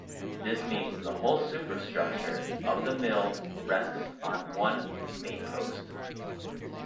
This means the whole superstructure of the mill rests on one main post.